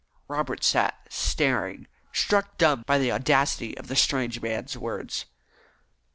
Robert sat staring, struck dumb by the audacity of the strange man's words.